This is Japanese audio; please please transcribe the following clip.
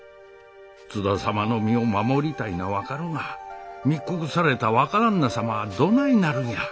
津田様の身を守りたいのは分かるが密告された若旦那様はどないなるんや。